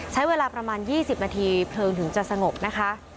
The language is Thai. ใช้เวลาประมาณ๒๐นาทีเพลิงถึงจะสงบนะคะ